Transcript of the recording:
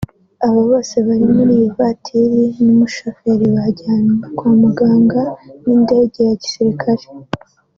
Aba bose bari muri iyi vatiri n’umushoferi bajyanywe kwa muganga n’indege ya gisirikari